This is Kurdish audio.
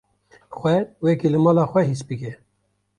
Xwe wekî li mala xwe his bike.